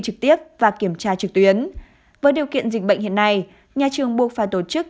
trực tiếp và kiểm tra trực tuyến với điều kiện dịch bệnh hiện nay nhà trường buộc phải tổ chức